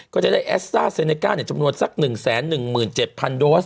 ก็จะได้แอสต้าเซเนก้าจำนวนสัก๑๑๗๐๐โดส